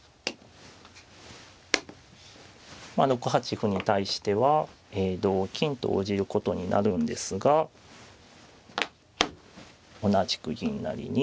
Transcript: まあ６八歩に対しては同金と応じることになるんですが同じく銀成りに。